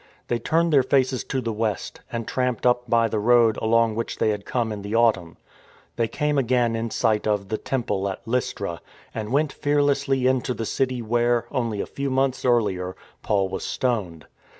They turned their faces to the west, and tramped up by the road along which they had come in the autumn. They came again in sight of the Temple at Lystra, and went fearlessly into the city where — only a few months earlier — Paul was stoned.